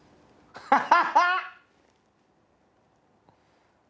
ハハハハハ！